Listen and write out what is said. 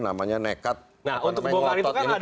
nah untuk bongkar itu kan ada akangket